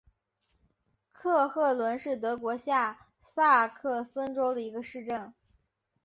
克赫伦是德国下萨克森州的一个市镇。